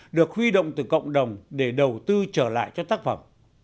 được huy động từ cộng đồng để đầu tư trở lại cho tác phẩm